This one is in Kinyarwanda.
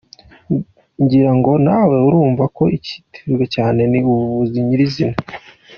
Ngira ngo nawe urumva ko icyihutirwa cyane ni ubuvuzi nyirizina.